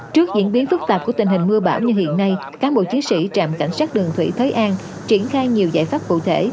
trước diễn biến phức tạp của tình hình mưa bão như hiện nay cán bộ chiến sĩ trạm cảnh sát đường thủy thới an triển khai nhiều giải pháp cụ thể